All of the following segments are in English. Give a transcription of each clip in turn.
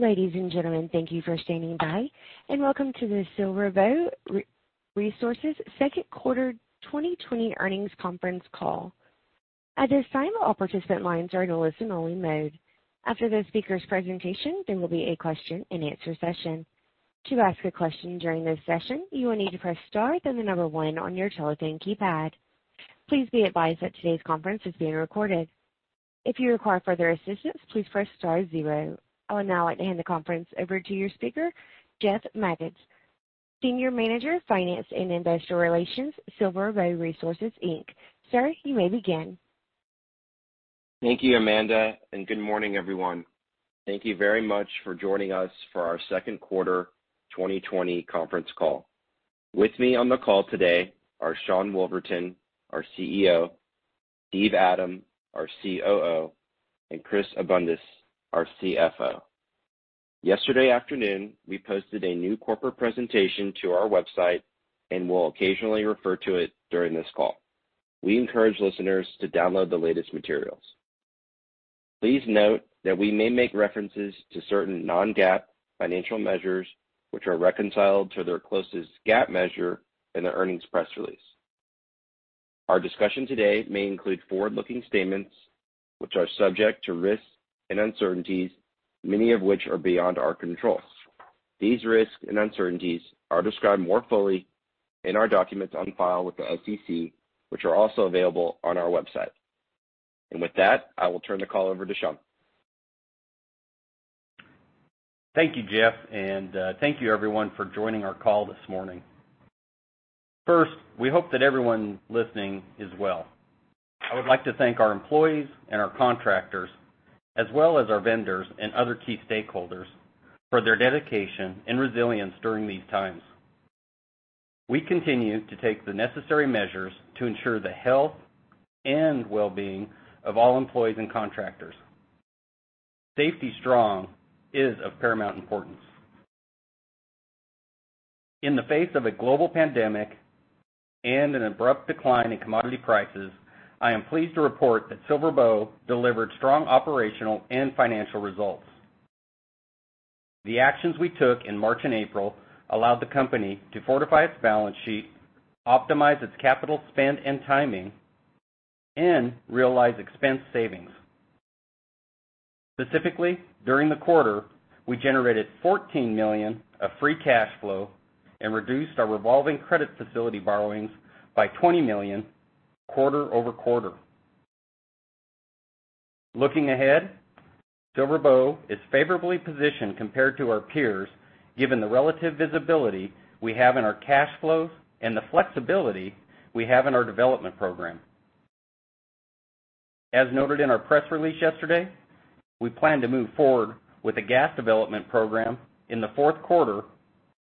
Ladies and gentlemen, thank you for standing by and welcome to the SilverBow Resources second quarter 2020 earnings conference call. At this time, all participant lines are in listen-only mode. After the speaker's presentation, there will be a question-and-answer session. To ask a question during this session, you will need to press star, then the number one on your telephone keypad. Please be advised that today's conference is being recorded. If you require further assistance, please press star zero. I would now like to hand the conference over to your speaker, Jeff Magids, Senior Manager of Finance and Investor Relations, SilverBow Resources Inc. Sir, you may begin. Thank you, Amanda. Good morning, everyone. Thank you very much for joining us for our second quarter 2020 conference call. With me on the call today are Sean Woolverton, our CEO, Steve Adam, our COO, and Chris Abundis, our CFO. Yesterday afternoon, we posted a new corporate presentation to our website and will occasionally refer to it during this call. We encourage listeners to download the latest materials. Please note that we may make references to certain non-GAAP financial measures, which are reconciled to their closest GAAP measure in the earnings press release. Our discussion today may include forward-looking statements, which are subject to risks and uncertainties, many of which are beyond our control. These risks and uncertainties are described more fully in our documents on file with the SEC, which are also available on our website. With that, I will turn the call over to Sean. Thank you, Jeff, thank you, everyone, for joining our call this morning. First, we hope that everyone listening is well. I would like to thank our employees and our contractors, as well as our vendors and other key stakeholders for their dedication and resilience during these times. We continue to take the necessary measures to ensure the health and well-being of all employees and contractors. Safety strong is of paramount importance. In the face of a global pandemic and an abrupt decline in commodity prices, I am pleased to report that SilverBow Resources delivered strong operational and financial results. The actions we took in March and April allowed the company to fortify its balance sheet, optimize its capital spend and timing, and realize expense savings. Specifically, during the quarter, we generated $14 million of free cash flow and reduced our revolving credit facility borrowings by $20 million quarter-over-quarter. Looking ahead, SilverBow Resources is favorably positioned compared to our peers, given the relative visibility we have in our cash flows and the flexibility we have in our development program. As noted in our press release yesterday, we plan to move forward with a gas development program in the fourth quarter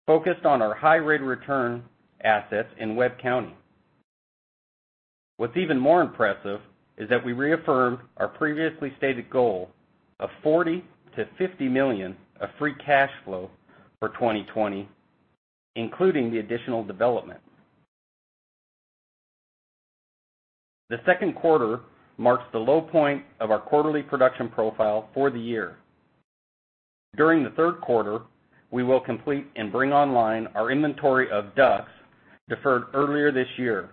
focused on our high-rate return assets in Webb County. What's even more impressive is that we reaffirmed our previously stated goal of $40 million-$50 million of free cash flow for 2020, including the additional development. The second quarter marks the low point of our quarterly production profile for the year. During the third quarter, we will complete and bring online our inventory of DUCs deferred earlier this year.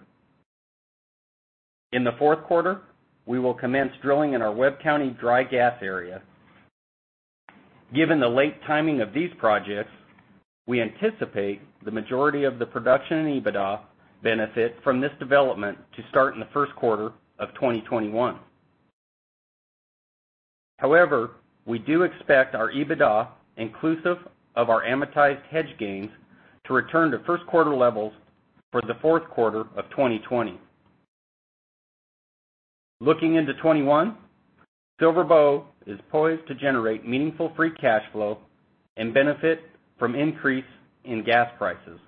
In the fourth quarter, we will commence drilling in our Webb County dry gas area. Given the late timing of these projects, we anticipate the majority of the production in EBITDA benefit from this development to start in the first quarter of 2021. However, we do expect our EBITDA, inclusive of our amortized hedge gains, to return to first quarter levels for the fourth quarter of 2020. Looking into 2021, SilverBow Resources is poised to generate meaningful free cash flow and benefit from increase in gas prices,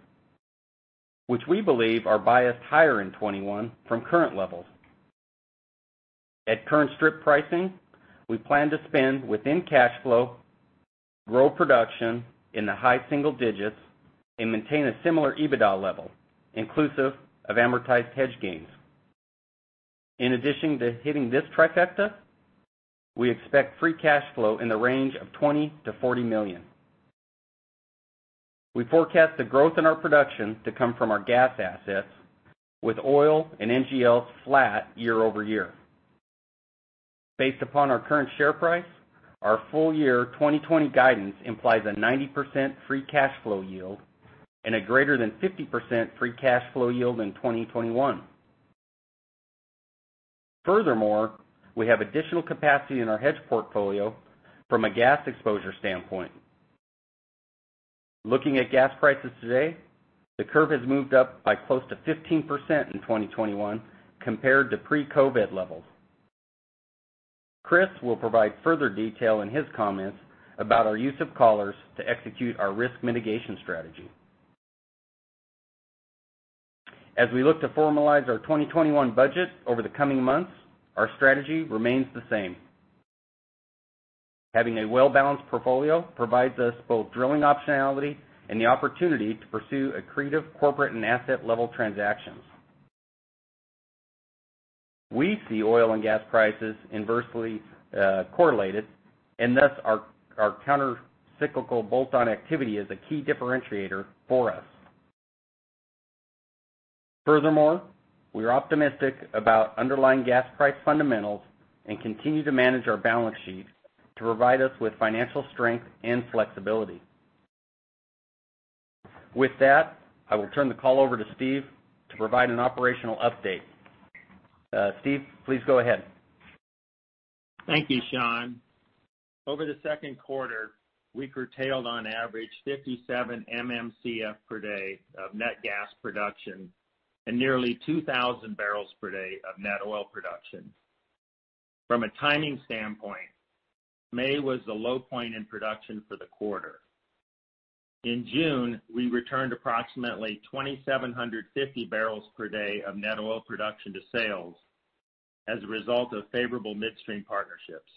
which we believe are biased higher in 2021 from current levels. At current strip pricing, we plan to spend within cash flow, grow production in the high single digits, and maintain a similar EBITDA level, inclusive of amortized hedge gains. In addition to hitting this trifecta, we expect free cash flow in the range of $20 million-$40 million. We forecast the growth in our production to come from our gas assets, with oil and NGLs flat year-over-year. Based upon our current share price, our full year 2020 guidance implies a 90% free cash flow yield and a greater than 50% free cash flow yield in 2021. Furthermore, we have additional capacity in our hedge portfolio from a gas exposure standpoint. Looking at gas prices today, the curve has moved up by close to 15% in 2021 compared to pre-COVID levels. Chris will provide further detail in his comments about our use of collars to execute our risk mitigation strategy. As we look to formalize our 2021 budget over the coming months, our strategy remains the same. Having a well-balanced portfolio provides us both drilling optionality and the opportunity to pursue accretive corporate and asset-level transactions. We see oil and gas prices inversely correlated, and thus our countercyclical bolt-on activity is a key differentiator for us. Furthermore, we are optimistic about underlying gas price fundamentals and continue to manage our balance sheets to provide us with financial strength and flexibility. With that, I will turn the call over to Steve to provide an operational update. Steve, please go ahead. Thank you, Sean. Over the second quarter, we curtailed on average 57 MMcf per day of net gas production and nearly 2,000 barrels per day of net oil production. From a timing standpoint, May was the low point in production for the quarter. In June, we returned approximately 2,750 barrels per day of net oil production to sales as a result of favorable midstream partnerships.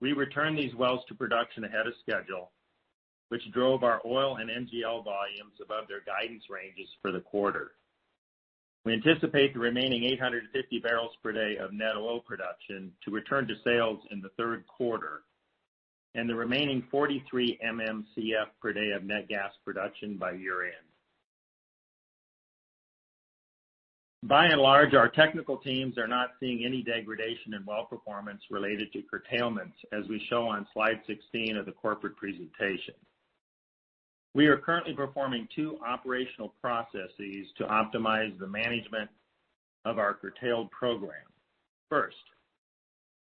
We returned these wells to production ahead of schedule, which drove our oil and NGLs volumes above their guidance ranges for the quarter. We anticipate the remaining 850 barrels per day of net oil production to return to sales in the third quarter and the remaining 43 MMcf per day of net gas production by year-end. By and large, our technical teams are not seeing any degradation in well performance related to curtailments, as we show on slide 16 of the corporate presentation. We are currently performing two operational processes to optimize the management of our curtailed program. First,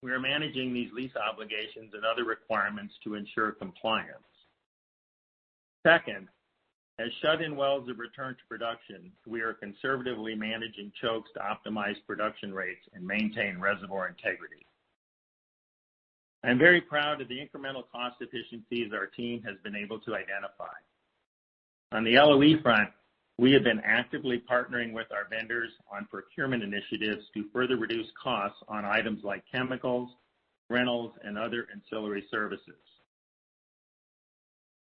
we are managing these lease obligations and other requirements to ensure compliance. Second, as shut-in wells have returned to production, we are conservatively managing chokes to optimize production rates and maintain reservoir integrity. I'm very proud of the incremental cost efficiencies our team has been able to identify. On the LOE front, we have been actively partnering with our vendors on procurement initiatives to further reduce costs on items like chemicals, rentals, and other ancillary services.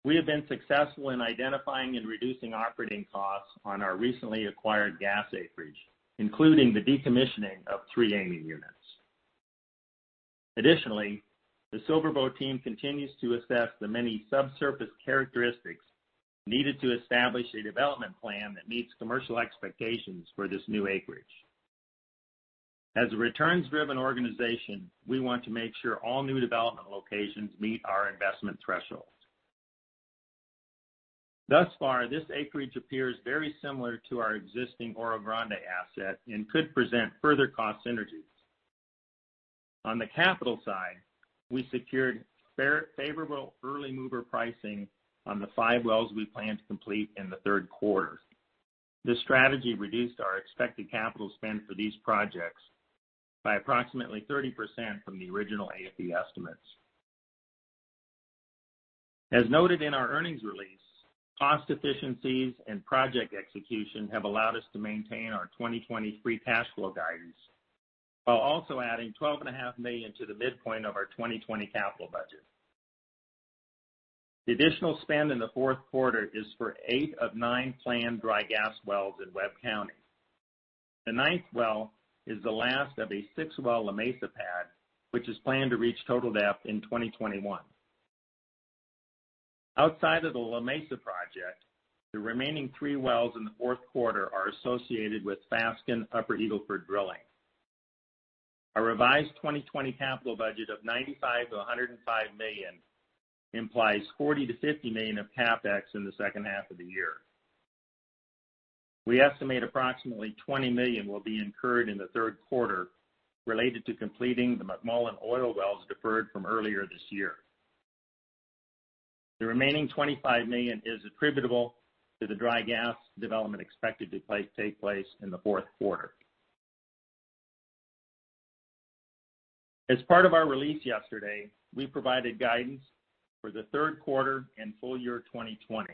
We have been successful in identifying and reducing operating costs on our recently acquired gas acreage, including the decommissioning of 3 amine units. Additionally, the SilverBow Resources team continues to assess the many subsurface characteristics needed to establish a development plan that meets commercial expectations for this new acreage. As a returns-driven organization, we want to make sure all new development locations meet our investment thresholds. Thus far, this acreage appears very similar to our existing Oro Grande asset and could present further cost synergies. On the capital side, we secured favorable early mover pricing on the five wells we plan to complete in the third quarter. This strategy reduced our expected capital spend for these projects by approximately 30% from the original AFE estimates. As noted in our earnings release, cost efficiencies and project execution have allowed us to maintain our 2020 free cash flow guidance, while also adding $12.5 million to the midpoint of our 2020 capital budget. The additional spend in the fourth quarter is for eight of nine planned dry gas wells in Webb County. The ninth well is the last of a six-well La Mesa pad, which is planned to reach total depth in 2021. Outside of the La Mesa project, the remaining three wells in the fourth quarter are associated with Fasken Upper Eagle Ford drilling. Our revised 2020 capital budget of $95 million-$105 million implies $40 million-$50 million of CapEx in the second half of the year. We estimate approximately $20 million will be incurred in the third quarter related to completing the McMullen Oil wells deferred from earlier this year. The remaining $25 million is attributable to the dry gas development expected to take place in the fourth quarter. As part of our release yesterday, we provided guidance for the third quarter and full year 2020.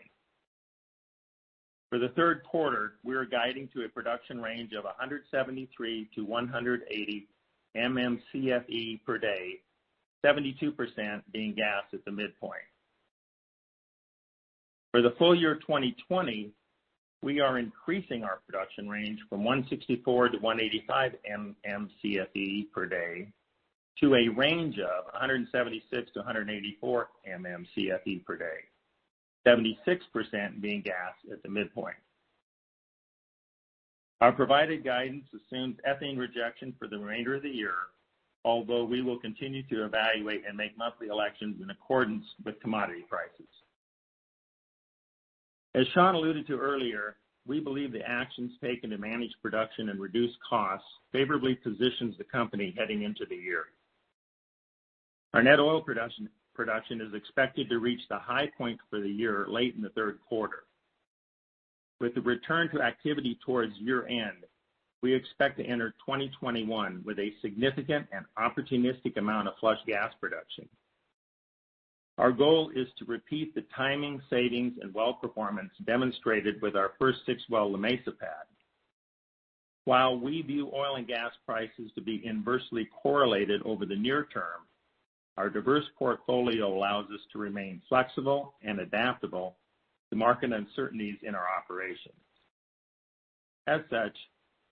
For the third quarter, we are guiding to a production range of 173-180 MMcfe per day, 72% being gas at the midpoint. For the full year 2020, we are increasing our production range from 164-185 MMcfe per day to a range of 176-184 MMcfe per day, 76% being gas at the midpoint. Our provided guidance assumes ethane rejection for the remainder of the year, although we will continue to evaluate and make monthly elections in accordance with commodity prices. As Sean alluded to earlier, we believe the actions taken to manage production and reduce costs favorably positions the company heading into the year. Our net oil production is expected to reach the high point for the year late in the third quarter. With the return to activity towards year-end, we expect to enter 2021 with a significant and opportunistic amount of flush gas production. Our goal is to repeat the timing, savings, and well performance demonstrated with our first six-well La Mesa pad. While we view oil and gas prices to be inversely correlated over the near term, our diverse portfolio allows us to remain flexible and adaptable to market uncertainties in our operations. As such,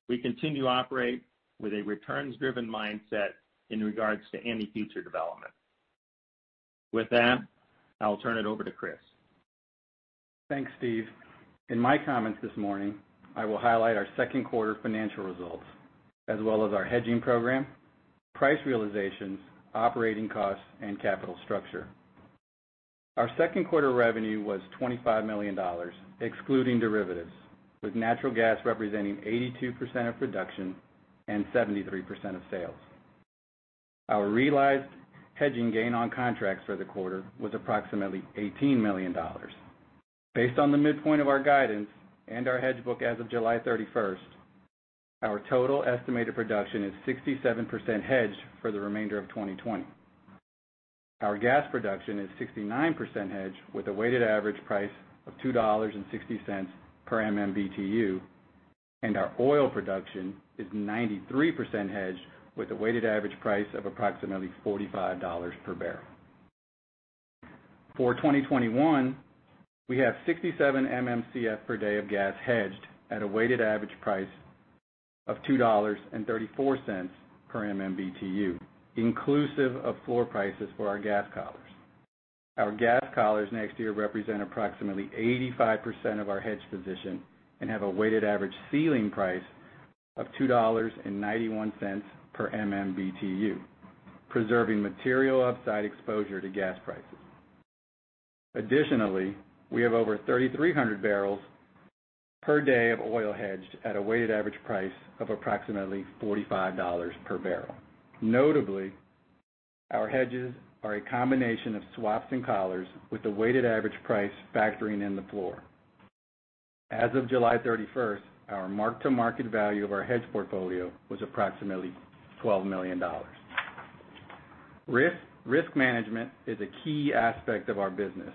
we continue to operate with a returns-driven mindset in regards to any future development. With that, I will turn it over to Chris. Thanks, Steve. In my comments this morning, I will highlight our second quarter financial results, as well as our hedging program, price realizations, operating costs, and capital structure. Our second quarter revenue was $25 million, excluding derivatives, with natural gas representing 82% of production and 73% of sales. Our realized hedging gain on contracts for the quarter was approximately $18 million. Based on the midpoint of our guidance and our hedge book as of July 31st, our total estimated production is 67% hedged for the remainder of 2020. Our gas production is 69% hedged with a weighted average price of $2.60 per MMBtu, and our oil production is 93% hedged with a weighted average price of approximately $45 per barrel. For 2021, we have 67 MMcf per day of gas hedged at a weighted average price of $2.34 per MMBtu, inclusive of floor prices for our gas collars. Our gas collars next year represent approximately 85% of our hedge position and have a weighted average ceiling price of $2.91 per MMBtu, preserving material upside exposure to gas prices. Additionally, we have over 3,300 barrels per day of oil hedged at a weighted average price of approximately $45 per barrel. Notably, our hedges are a combination of swaps and collars with a weighted average price factoring in the floor. As of July 31st, our mark-to-market value of our hedge portfolio was approximately $12 million. Risk management is a key aspect of our business,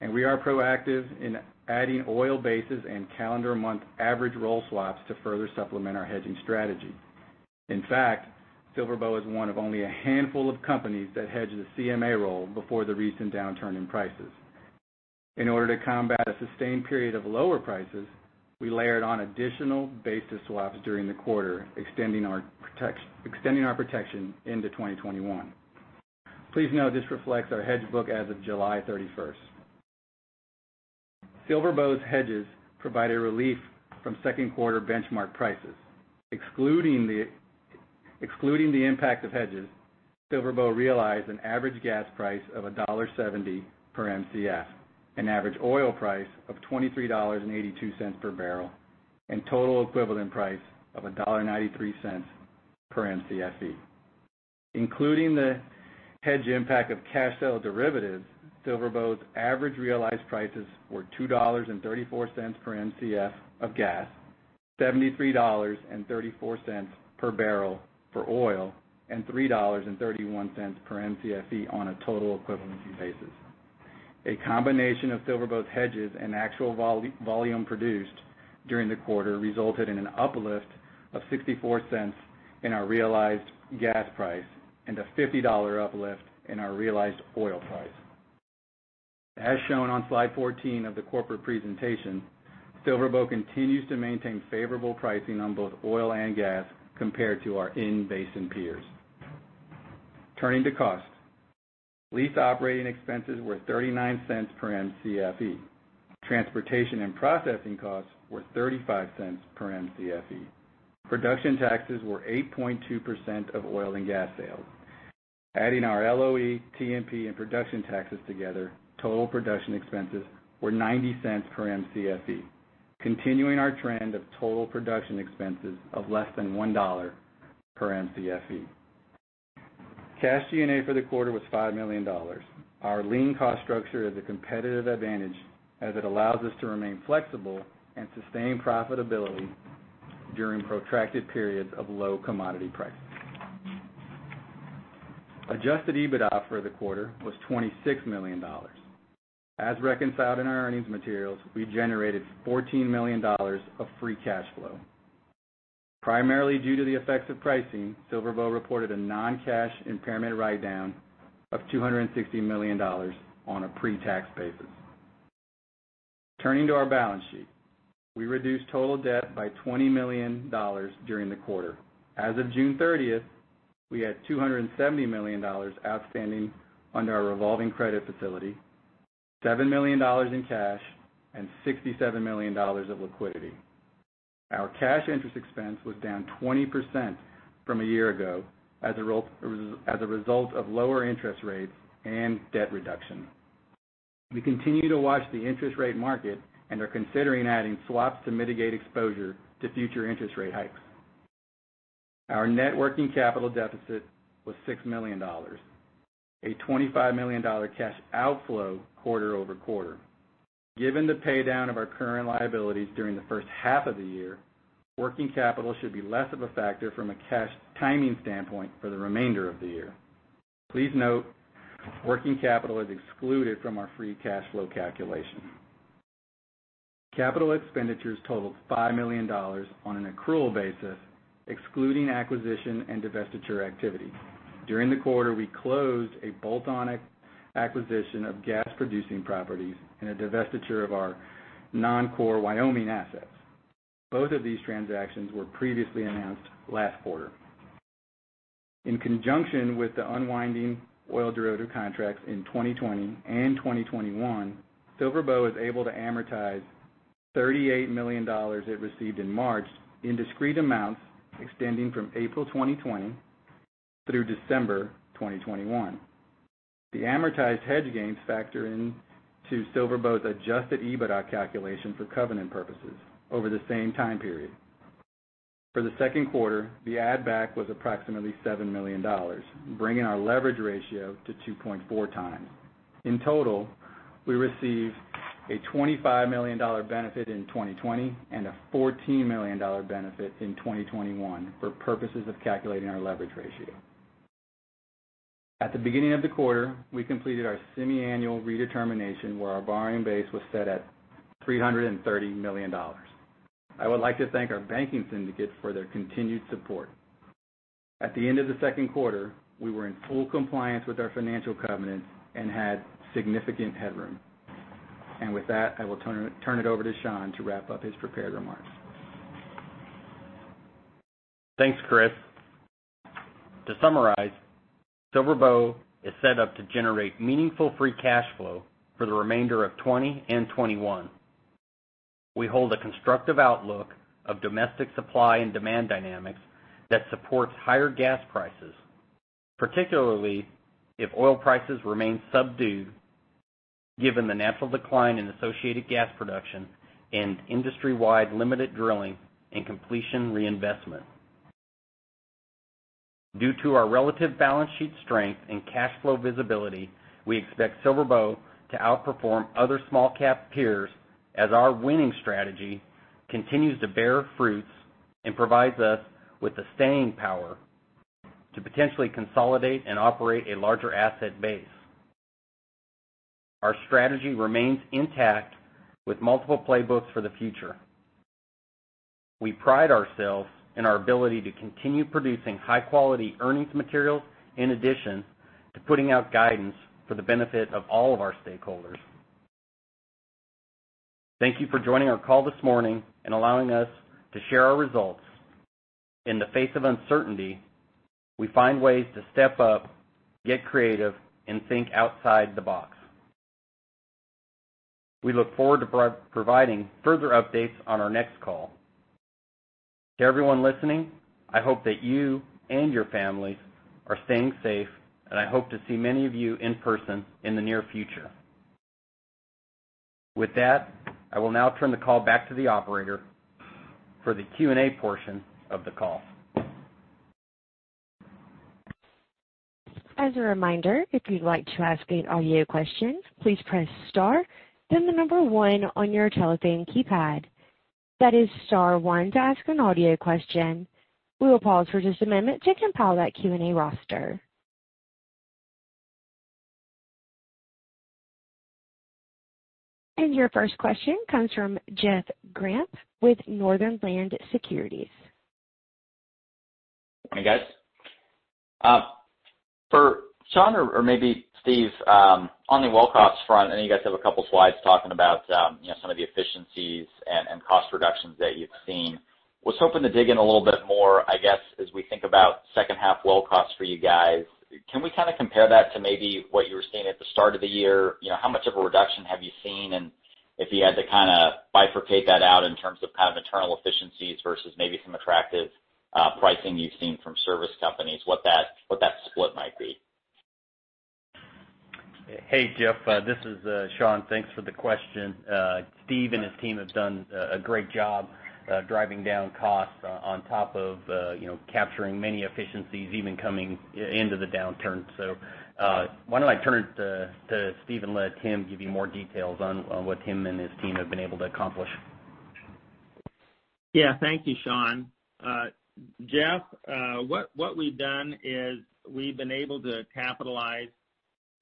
and we are proactive in adding oil basis and calendar month average roll swaps to further supplement our hedging strategy. In fact, SilverBow Resources is one of only a handful of companies that hedged a CMA roll before the recent downturn in prices. In order to combat a sustained period of lower prices, we layered on additional basis swaps during the quarter, extending our protection into 2021. Please note this reflects our hedge book as of July 31st. SilverBow's hedges provided relief from second quarter benchmark prices. Excluding the impact of hedges, SilverBow Resources realized an average gas price of $1.70 per Mcf, an average oil price of $23.82 per barrel, and total equivalent price of $1.93 per Mcfe. Including the hedge impact of cash sale derivatives, SilverBow's average realized prices were $2.34 per Mcf of gas, $73.34 per barrel for oil, and $3.31 per Mcfe on a total equivalency basis. A combination of SilverBow's hedges and actual volume produced during the quarter resulted in an uplift of $0.64 in our realized gas price, and a $50 uplift in our realized oil price. As shown on slide 14 of the corporate presentation, SilverBow Resources continues to maintain favorable pricing on both oil and gas compared to our in-basin peers. Turning to costs. Lease operating expenses were $0.39 per Mcfe. Transportation and processing costs were $0.35 per Mcfe. Production taxes were 8.2% of oil and gas sales. Adding our LOE, T&P, and production taxes together, total production expenses were $0.90 per Mcfe, continuing our trend of total production expenses of less than $1 per Mcfe. Cash G&A for the quarter was $5 million. Our lean cost structure is a competitive advantage as it allows us to remain flexible and sustain profitability during protracted periods of low commodity prices. Adjusted EBITDA for the quarter was $26 million. As reconciled in our earnings materials, we generated $14 million of free cash flow. Primarily due to the effects of pricing, SilverBow Resources reported a non-cash impairment write-down of $260 million on a pre-tax basis. Turning to our balance sheet. We reduced total debt by $20 million during the quarter. As of June 30th, we had $270 million outstanding under our revolving credit facility, $7 million in cash, and $67 million of liquidity. Our cash interest expense was down 20% from a year ago as a result of lower interest rates and debt reduction. We continue to watch the interest rate market and are considering adding swaps to mitigate exposure to future interest rate hikes. Our net working capital deficit was $6 million, a $25 million cash outflow quarter-over-quarter. Given the paydown of our current liabilities during the first half of the year, working capital should be less of a factor from a cash timing standpoint for the remainder of the year. Please note, working capital is excluded from our free cash flow calculation. Capital expenditures totaled $5 million on an accrual basis, excluding acquisition and divestiture activity. During the quarter, we closed a bolt-on acquisition of gas-producing properties and a divestiture of our non-core Wyoming assets. Both of these transactions were previously announced last quarter. In conjunction with the unwinding oil derivative contracts in 2020 and 2021, SilverBow Resources was able to amortize $38 million it received in March in discrete amounts extending from April 2020 through December 2021. The amortized hedge gains factor into SilverBow's adjusted EBITDA calculation for covenant purposes over the same time period. For the second quarter, the add back was approximately $7 million, bringing our leverage ratio to 2.4 times. In total, we received a $25 million benefit in 2020 and a $14 million benefit in 2021 for purposes of calculating our leverage ratio. At the beginning of the quarter, we completed our semiannual redetermination where our borrowing base was set at $330 million. I would like to thank our banking syndicate for their continued support. At the end of the second quarter, we were in full compliance with our financial covenants and had significant headroom. With that, I will turn it over to Sean to wrap up his prepared remarks. Thanks, Chris. To summarize, SilverBow Resources is set up to generate meaningful free cash flow for the remainder of 2020 and 2021. We hold a constructive outlook of domestic supply and demand dynamics that supports higher gas prices, particularly if oil prices remain subdued, given the natural decline in associated gas production and industry-wide limited drilling and completion reinvestment. Due to our relative balance sheet strength and cash flow visibility, we expect SilverBow Resources to outperform other small-cap peers as our winning strategy continues to bear fruits and provides us with the staying power to potentially consolidate and operate a larger asset base. Our strategy remains intact with multiple playbooks for the future. We pride ourselves in our ability to continue producing high-quality earnings materials, in addition to putting out guidance for the benefit of all of our stakeholders. Thank you for joining our call this morning and allowing us to share our results. In the face of uncertainty, we find ways to step up, get creative, and think outside the box. We look forward to providing further updates on our next call. To everyone listening, I hope that you and your families are staying safe, and I hope to see many of you in person in the near future. With that, I will now turn the call back to the Operator for the Q&A portion of the call. As a reminder, if you'd like to ask an audio question, please press star, then the number one on your telephone keypad. That is star one to ask an audio question. We will pause for just a moment to compile that Q&A roster. Your first question comes from Jeff Grampp with Northland Securities. Good morning, guys. For Sean or maybe Steve, on the well costs front, I know you guys have two slides talking about some of the efficiencies and cost reductions that you've seen. Was hoping to dig in a little bit more, I guess, as we think about second half well costs for you guys. Can we kind of compare that to maybe what you were seeing at the start of the year? How much of a reduction have you seen? If you had to bifurcate that out in terms of internal efficiencies versus maybe some attractive pricing you've seen from service companies, what that split might be. Hey, Jeff. This is Sean. Thanks for the question. Steve and his team have done a great job driving down costs on top of capturing many efficiencies, even coming into the downturn. Why don't I turn it to Steve and let him give you more details on what him and his team have been able to accomplish. Yeah. Thank you, Sean. Jeff, what we've done is we've been able to capitalize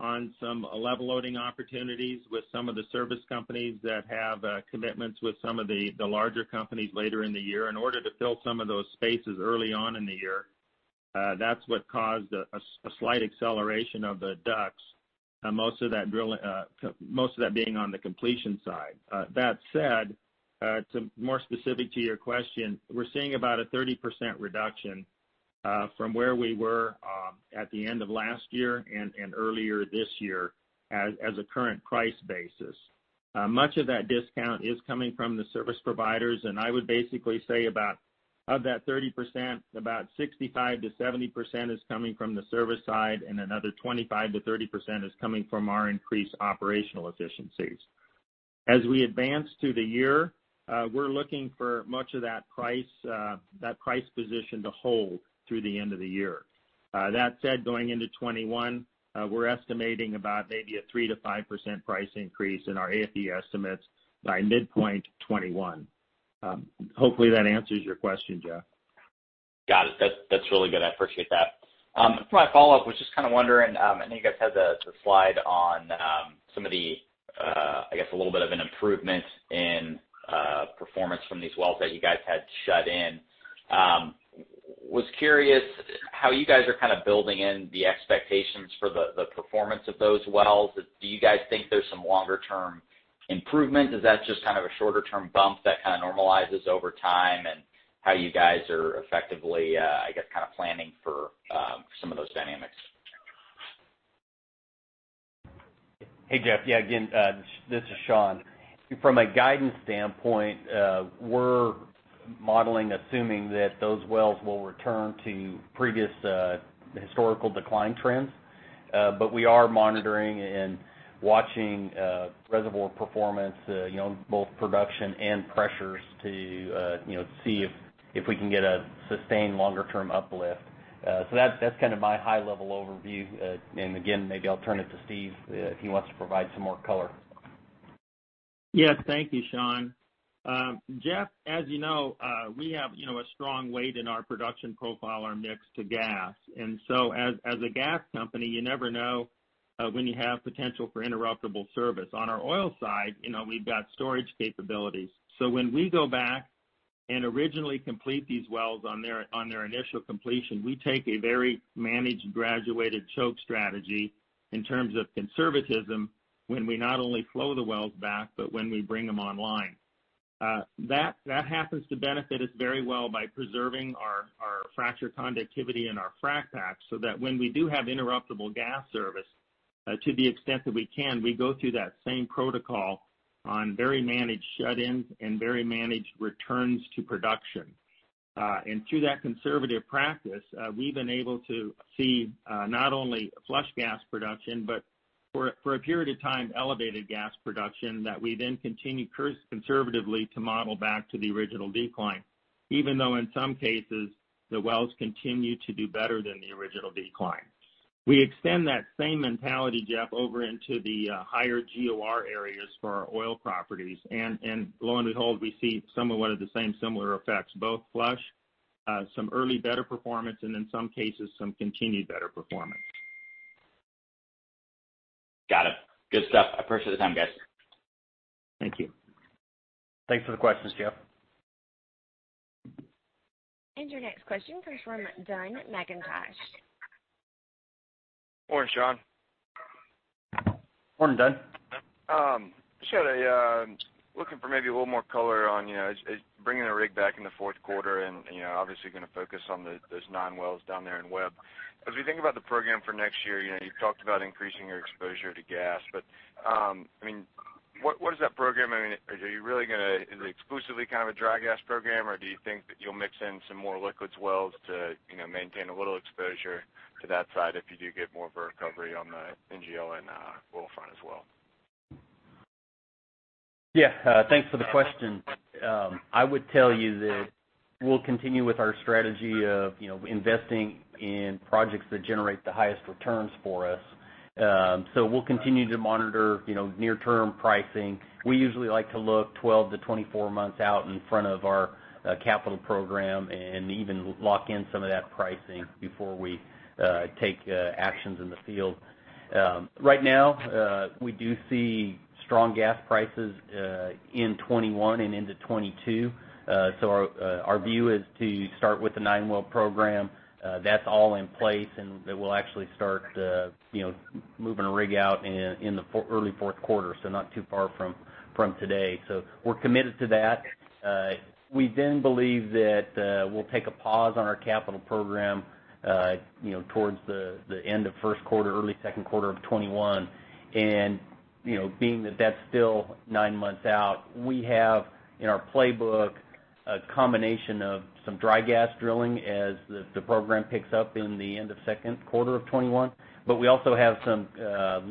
on some level loading opportunities with some of the service companies that have commitments with some of the larger companies later in the year in order to fill some of those spaces early on in the year. That's what caused a slight acceleration of the DUCs, most of that being on the completion side. That said, to more specific to your question, we're seeing about a 30% reduction from where we were at the end of last year and earlier this year as a current price basis. Much of that discount is coming from the service providers, I would basically say about, of that 30%, about 65%-70% is coming from the service side, and another 25%-30% is coming from our increased operational efficiencies. As we advance through the year, we're looking for much of that price position to hold through the end of the year. That said, going into 2021, we're estimating about maybe a 3%-5% price increase in our AFE estimates by midpoint 2021. Hopefully, that answers your question, Jeff. Got it. That's really good. I appreciate that. My follow-up was just wondering, I know you guys had the slide on some of the, I guess, a little bit of an improvement in performance from these wells that you guys had shut in. I was curious how you guys are building in the expectations for the performance of those wells. Do you guys think there's some longer-term improvement? Is that just a shorter-term bump that normalizes over time, and how you guys are effectively, I guess, planning for some of those dynamics? Hey, Jeff. Yeah, again, this is Sean. From a guidance standpoint, we're modeling assuming that those wells will return to previous historical decline trends. We are monitoring and watching reservoir performance, both production and pressures to see if we can get a sustained longer-term uplift. That's my high-level overview. Again, maybe I'll turn it to Steve, if he wants to provide some more color. Yes. Thank you, Sean. Jeff, as you know, we have a strong weight in our production profile, our mix to gas. As a gas company, you never know when you have potential for interruptible service. On our oil side, we've got storage capabilities. When we go back and originally complete these wells on their initial completion, we take a very managed graduated choke strategy in terms of conservatism when we not only flow the wells back, but when we bring them online. That happens to benefit us very well by preserving our fracture conductivity and our frac packs, so that when we do have interruptible gas service, to the extent that we can, we go through that same protocol on very managed shut-ins and very managed returns to production. Through that conservative practice, we've been able to see not only flush gas production, but for a period of time, elevated gas production that we then continue conservatively to model back to the original decline, even though in some cases, the wells continue to do better than the original decline. We extend that same mentality, Jeff, over into the higher GOR areas for our oil properties. Lo and behold, we see somewhat of the same similar effects, both flush, some early better performance, and in some cases, some continued better performance. Got it. Good stuff. I appreciate the time, guys. Thank you. Thanks for the questions, Jeff. Your next question comes from Dun McIntosh. Morning, Sean. Morning, Dun. Looking for maybe a little more color on bringing the rig back in the fourth quarter and obviously going to focus on those nine wells down there in Webb. As we think about the program for next year, you've talked about increasing your exposure to gas, what is that program? Is it exclusively a dry gas program, or do you think that you'll mix in some more liquids wells to maintain a little exposure to that side if you do get more of a recovery on the NGL and oil front as well? Thanks for the question. I would tell you that we'll continue with our strategy of investing in projects that generate the highest returns for us. We'll continue to monitor near-term pricing. We usually like to look 12-24 months out in front of our capital program and even lock in some of that pricing before we take actions in the field. Right now, we do see strong gas prices in 2021 and into 2022. Our view is to start with the nine-well program. That's all in place, and we'll actually start moving a rig out in the early fourth quarter. Not too far from today. We're committed to that. We then believe that we'll take a pause on our capital program towards the end of first quarter, early second quarter of 2021. Being that that's still nine months out, we have in our playbook a combination of some dry gas drilling as the program picks up in the end of second quarter of 2021. We also have some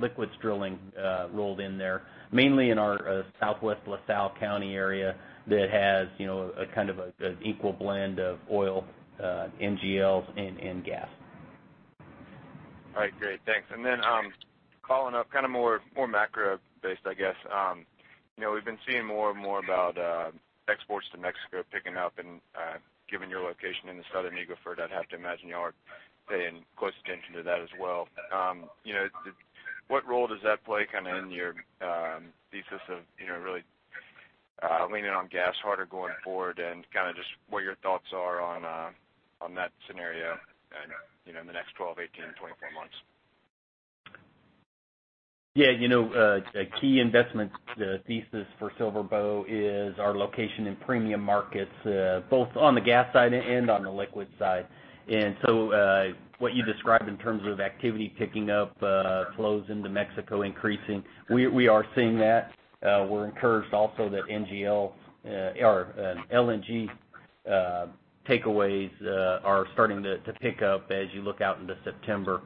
liquids drilling rolled in there, mainly in our Southwest La Salle County area that has a kind of an equal blend of oil, NGLs, and gas. All right, great. Thanks. Then following up, more macro based, I guess. We've been seeing more and more about exports to Mexico picking up. Given your location in the Southern Eagle Ford, I'd have to imagine you all are paying close attention to that as well. What role does that play in your thesis of really leaning on gas harder going forward? Just what your thoughts are on that scenario in the next 12, 18, 24 months? Yeah. A key investment thesis for SilverBow Resources is our location in premium markets, both on the gas side and on the liquid side. What you described in terms of activity picking up, flows into Mexico increasing, we are seeing that. We're encouraged also that NGL or LNG takeaways are starting to pick up as you look out into September.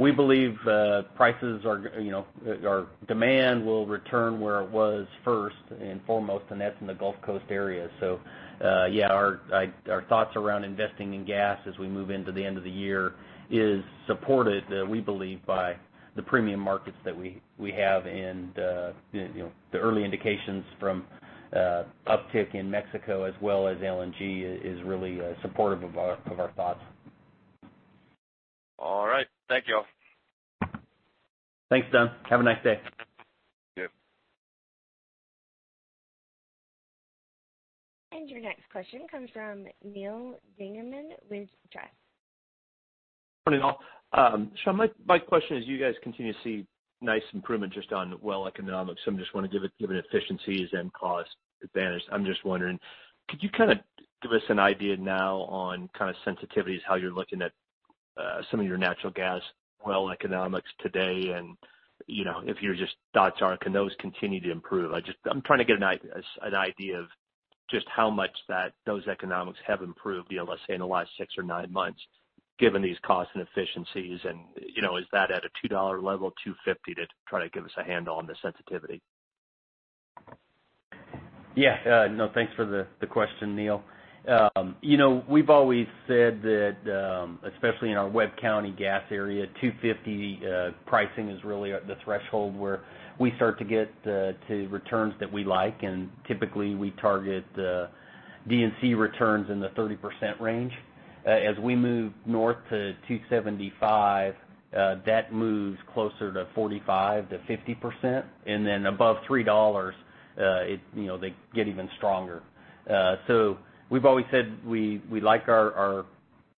We believe demand will return where it was first and foremost, and that's in the Gulf Coast area. Yeah, our thoughts around investing in gas as we move into the end of the year is supported, we believe, by the premium markets that we have. The early indications from uptick in Mexico as well as LNG is really supportive of our thoughts. All right. Thank you all. Thanks, Dun. Have a nice day. Yep. Your next question comes from Neal Dingmann with Truist. Morning, all. Sean, my question is, you guys continue to see nice improvement just on well economics. I just want to give it efficiencies and cost advantage. I'm just wondering, could you give us an idea now on sensitivities, how you're looking at some of your natural gas well economics today, and if your just thoughts are, can those continue to improve? I'm trying to get an idea of just how much that those economics have improved, let's say, in the last six or nine months, given these costs and efficiencies, and is that at a $2 level, $2.50, to try to give us a handle on the sensitivity. Thanks for the question, Neal. We've always said that, especially in our Webb County gas area, $2.50 pricing is really the threshold where we start to get to returns that we like, and typically we target D&C returns in the 30% range. As we move north to $2.75, that moves closer to 45%-50%, and then above $3, they get even stronger. We've always said we like our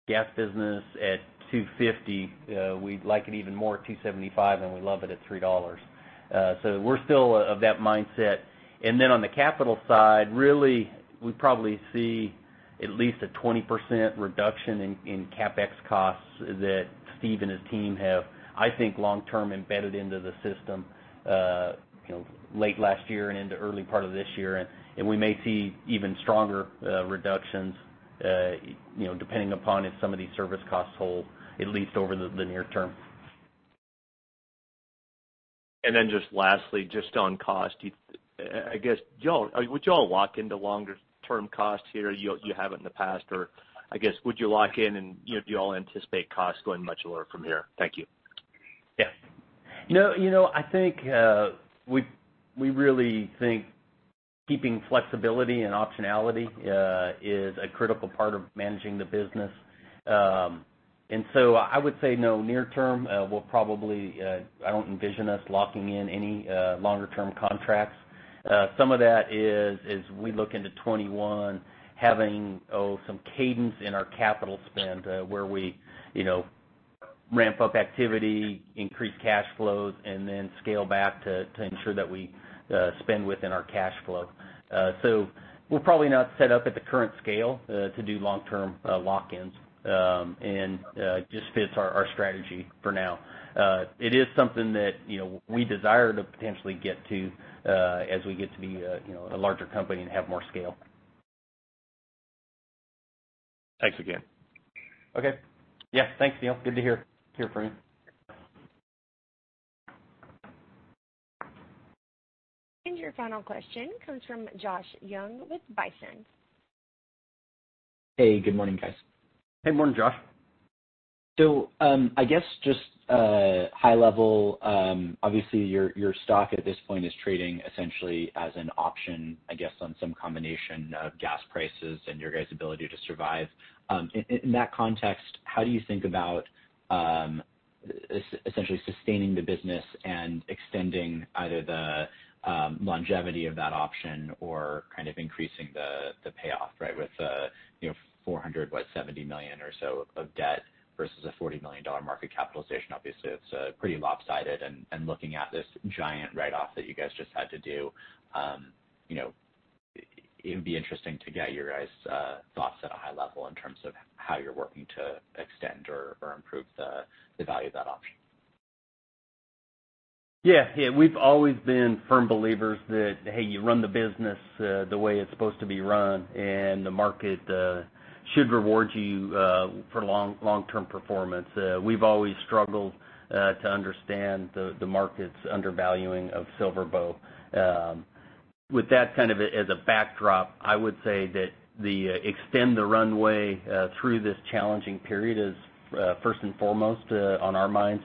gas business at $2.50, we like it even more at $2.75, and we love it at $3. We're still of that mindset. On the capital side, really, we probably see at least a 20% reduction in CapEx costs that Steve and his team have, I think, long-term embedded into the system late last year and into early part of this year, and we may see even stronger reductions, depending upon if some of these service costs hold, at least over the near term. Just lastly, just on cost, I guess would you all lock into longer term costs here? You haven't in the past or, I guess, would you lock in and do you all anticipate costs going much lower from here? Thank you. Yeah. I think we really think keeping flexibility and optionality is a critical part of managing the business. I would say no. Near term, I don't envision us locking in any longer term contracts. Some of that is, as we look into 2021, having some cadence in our capital spend, where we ramp up activity, increase cash flows, and then scale back to ensure that we spend within our cash flow. We're probably not set up at the current scale to do long-term lock-ins, and it just fits our strategy for now. It is something that we desire to potentially get to as we get to be a larger company and have more scale. Thanks again. Okay. Yeah. Thanks, Neal. Good to hear from you. Your final question comes from Josh Young with Bison. Hey, good morning, guys. Hey, morning, Josh. I guess just high level, obviously your stock at this point is trading essentially as an option, I guess, on some combination of gas prices and your guys' ability to survive. In that context, how do you think about essentially sustaining the business and extending either the longevity of that option or increasing the payoff, right? With $470 million or so of debt versus a $40 million market capitalization. Obviously, it's pretty lopsided. Looking at this giant write-off that you guys just had to do, it would be interesting to get your guys' thoughts at a high level in terms of how you're working to extend or improve the value of that option. Yeah. We've always been firm believers that, hey, you run the business the way it's supposed to be run, and the market should reward you for long-term performance. We've always struggled to understand the market's undervaluing of SilverBow Resources. With that as a backdrop, I would say that the extend the runway through this challenging period is first and foremost on our minds.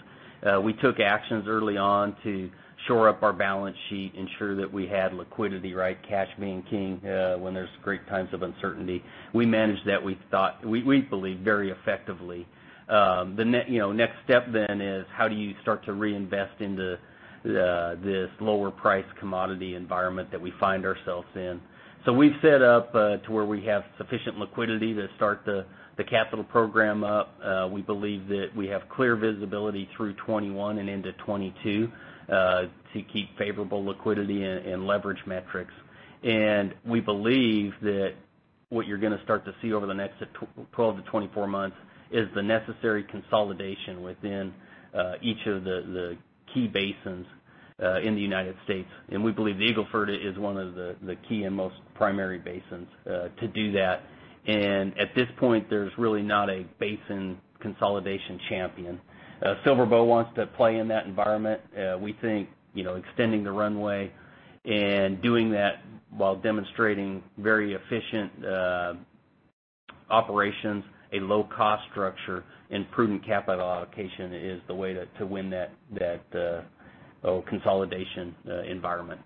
We took actions early on to shore up our balance sheet, ensure that we had liquidity, right? Cash being king when there's great times of uncertainty. We managed that, we believe, very effectively. The next step then is how do you start to reinvest into this lower price commodity environment that we find ourselves in? We've set up to where we have sufficient liquidity to start the capital program up. We believe that we have clear visibility through 2021 and into 2022 to keep favorable liquidity and leverage metrics. We believe that what you're going to start to see over the next 12-24 months is the necessary consolidation within each of the key basins in the U.S., and we believe the Eagle Ford is one of the key and most primary basins to do that. At this point, there's really not a basin consolidation champion. SilverBow Resources wants to play in that environment. We think extending the runway and doing that while demonstrating very efficient operations, a low-cost structure, and prudent capital allocation is the way to win that consolidation environment.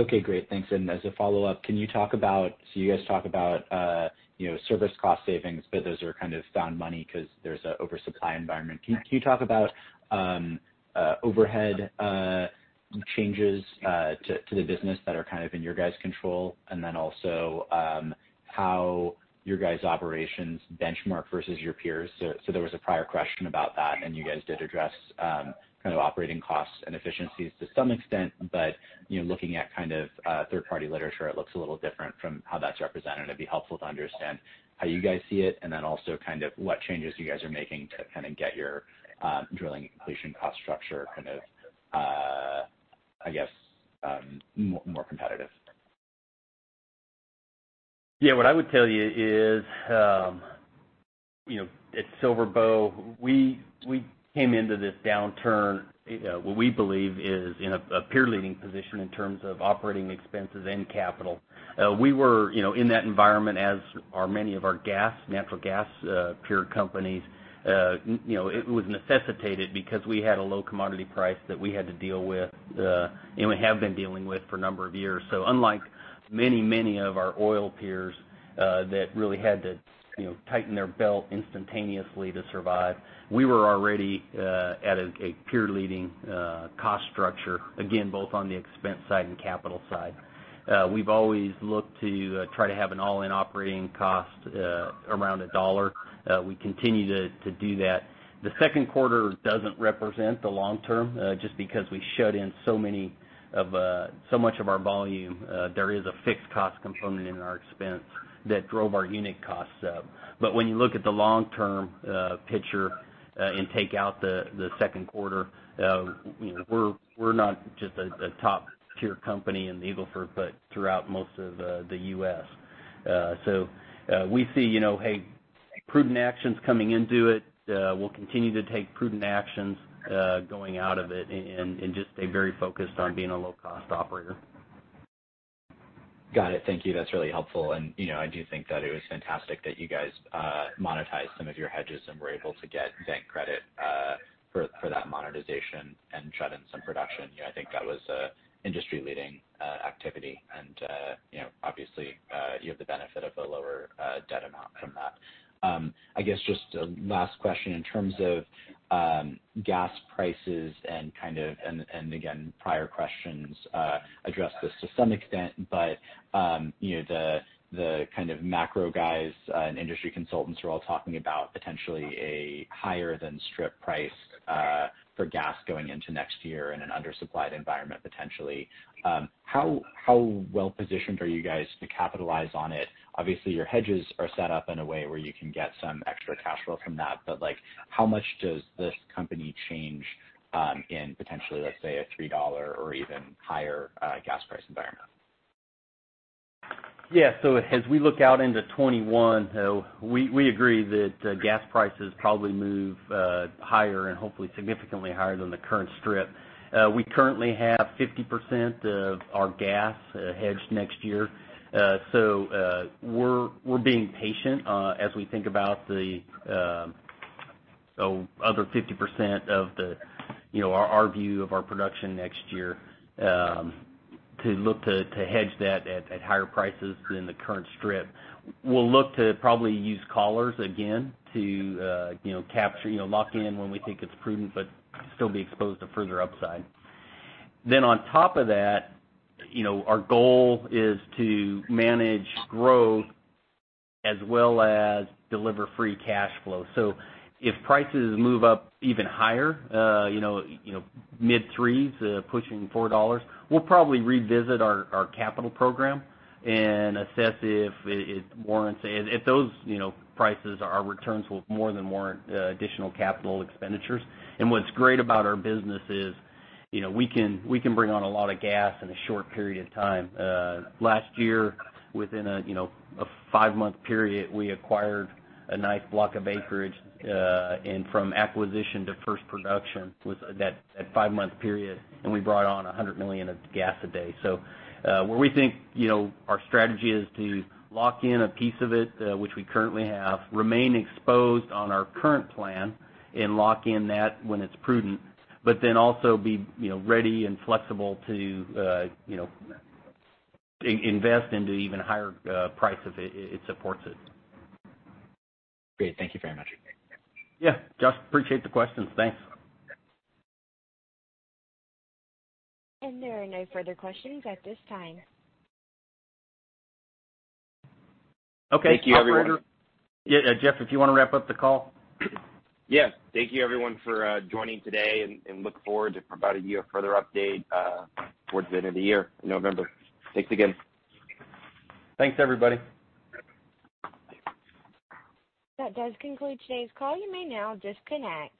Okay, great. Thanks. As a follow-up, can you talk about You guys talk about service cost savings, but those are found money because there's an oversupply environment. Can you talk about overhead changes to the business that are in your guys' control? Also, how your guys' operations benchmark versus your peers. There was a prior question about that, and you guys did address operating costs and efficiencies to some extent. Looking at third-party literature, it looks a little different from how that's represented. It'd be helpful to understand how you guys see it, also what changes you guys are making to get your drilling completion cost structure, I guess, more competitive. What I would tell you is, at SilverBow Resources, we came into this downturn, what we believe is, in a peer-leading position in terms of operating expenses and capital. We were in that environment, as are many of our natural gas peer companies. It was necessitated because we had a low commodity price that we had to deal with, and we have been dealing with for a number of years. Unlike many of our oil peers that really had to tighten their belt instantaneously to survive, we were already at a peer-leading cost structure, again, both on the expense side and capital side. We've always looked to try to have an all-in operating cost around $1. We continue to do that. The second quarter doesn't represent the long term, just because we shut in so much of our volume. There is a fixed cost component in our expense that drove our unit costs up. When you look at the long-term picture and take out the second quarter, we're not just a top-tier company in the Eagle Ford, but throughout most of the U.S. We see prudent actions coming into it. We'll continue to take prudent actions going out of it, and just stay very focused on being a low-cost operator. Got it. Thank you. That is really helpful. I do think that it was fantastic that you guys monetized some of your hedges and were able to get bank credit for that monetization and shut in some production. I think that was an industry-leading activity. Obviously, you have the benefit of a lower debt amount from that. I guess, just a last question in terms of gas prices and, again, prior questions addressed this to some extent, the macro guys and industry consultants are all talking about potentially a higher than strip price for gas going into next year in an undersupplied environment, potentially. How well-positioned are you guys to capitalize on it? Obviously, your hedges are set up in a way where you can get some extra cash flow from that. How much does this company change in potentially, let's say, a $3 or even higher gas price environment? As we look out into 2021, we agree that gas prices probably move higher and hopefully significantly higher than the current strip. We currently have 50% of our gas hedged next year. We're being patient as we think about the other 50% of our view of our production next year, to look to hedge that at higher prices than the current strip. We'll look to probably use collars again to lock in when we think it's prudent, but still be exposed to further upside. On top of that, our goal is to manage growth as well as deliver free cash flow. If prices move up even higher, mid $3s, pushing $4, we'll probably revisit our capital program and assess if it warrants. At those prices, our returns will more than warrant additional capital expenditures. What's great about our business is we can bring on a lot of gas in a short period of time. Last year, within a five-month period, we acquired a nice block of acreage, and from acquisition to first production was that five-month period, and we brought on 100 million of gas a day. Our strategy is to lock in a piece of it, which we currently have, remain exposed on our current plan, and lock in that when it's prudent, but then also be ready and flexible to invest into even higher price if it supports it. Great. Thank you very much. Yeah. Jeff, appreciate the questions. Thanks. There are no further questions at this time. Thank you, everyone. Okay. Operator? Yeah, Jeff, if you want to wrap up the call. Yeah. Thank you everyone for joining today, and look forward to providing you a further update towards the end of the year, in November. Thanks again. Thanks, everybody. That does conclude today's call. You may now disconnect.